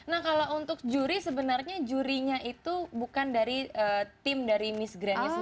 nah kalau untuk juri sebenarnya jurinya itu bukan dari tim dari miss grand itu